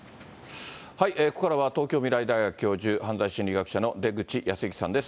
ここからは東京未来大学教授、犯罪心理学者の出口保行さんです。